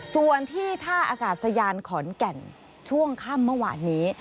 ส่วนที่ท่าอากาศยานขอนแก่นช่วงค่ำเมื่อวานนี้